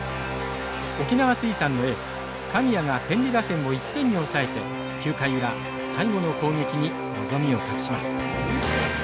沖縄水産のエース神谷が天理打線を１点に抑えて９回裏最後の攻撃に望みを託します。